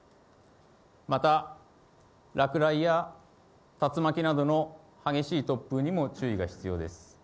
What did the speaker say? また、落雷や竜巻などの激しい突風にも注意が必要です。